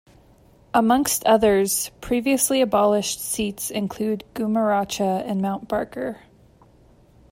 Amongst others, previously abolished seats include Gumeracha and Mount Barker.